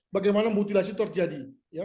bagaimana mutilasi terjadi